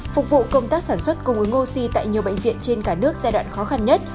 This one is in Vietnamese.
phục vụ công tác sản xuất cung ứng oxy tại nhiều bệnh viện trên cả nước giai đoạn khó khăn nhất